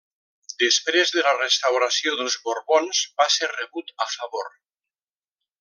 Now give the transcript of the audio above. Després de la restauració dels Borbons, va ser rebut a favor.